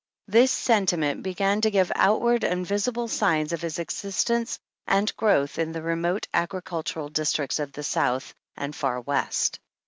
This senti ment began to give outward and visible signs of its existence and growth in the remote agricultural dis tricts of the South and Far West.